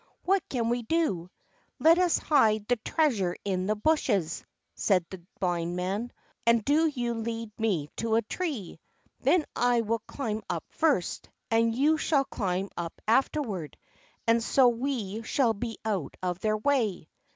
What can we do?" "Let us hide the treasure in the bushes," said the Blind Man; "and do you lead me to a tree; then I will climb up first, and you shall climb up afterward, and so we shall be out of their way."